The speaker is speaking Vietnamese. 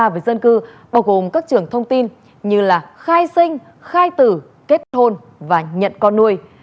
và khai sinh khai tử kết hôn và nhận con nuôi